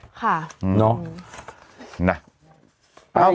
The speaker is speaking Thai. ค่ะน้องงั้นนะ